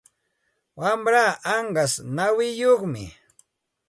Wamraa anqas nawiyuqmi.